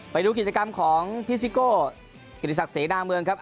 ไปดูกิจกรรมของพี่ซิโก้กิติศักดิเสนาเมืองครับ